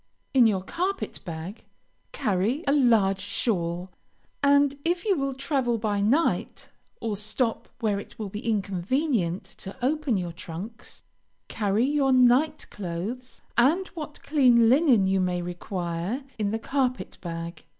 In your carpet bag, carry a large shawl, and if you will travel by night, or stop where it will be inconvenient to open your trunks, carry your night clothes, and what clean linen you may require, in the carpet bag.